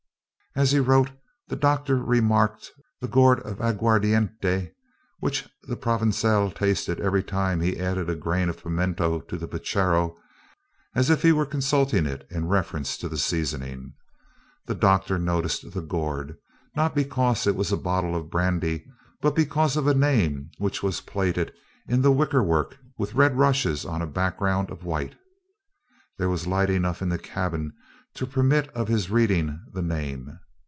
As he wrote, the doctor remarked the gourd of aguardiente, which the Provençal tasted every time he added a grain of pimento to the puchero, as if he were consulting it in reference to the seasoning. The doctor noticed the gourd, not because it was a bottle of brandy, but because of a name which was plaited in the wickerwork with red rushes on a background of white. There was light enough in the cabin to permit of his reading the name.